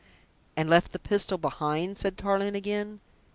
"And left the pistol behind?" said Tarling again.